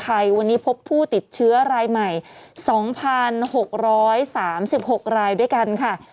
ไทยวันนี้พบผู้ติดเชื้อรายใหม่๒๖๓๖รายด้วยกันค่ะ